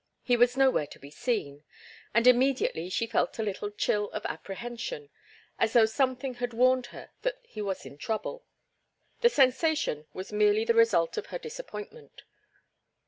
He was nowhere to be seen, and immediately she felt a little chill of apprehension, as though something had warned her that he was in trouble. The sensation was merely the result of her disappointment.